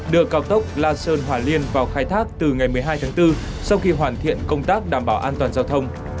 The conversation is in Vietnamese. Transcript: đưa cao tốc la sơn hòa liên vào khai thác từ ngày một mươi hai tháng bốn sau khi hoàn thiện công tác đảm bảo an toàn giao thông